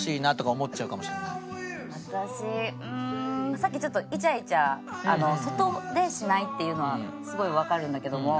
さっきちょっとイチャイチャ外でしないっていうのはすごいわかるんだけども。